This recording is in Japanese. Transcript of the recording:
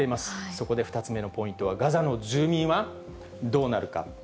そこで２つ目のポイントはガザの住民はどうなるか。